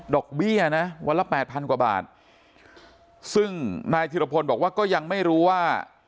ดอกเบี้ยวันละ๘๐๐๐บาทซึ่งใหม่ธิรพลบอกว่าก็ยังไม่รู้ว่า